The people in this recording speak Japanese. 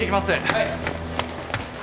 ・はい。